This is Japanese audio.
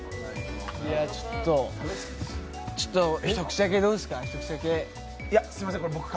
ちょっと、一口だけどうですか？